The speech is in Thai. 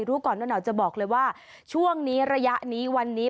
รู้ก่อนร้อนหนาวจะบอกเลยว่าช่วงนี้ระยะนี้วันนี้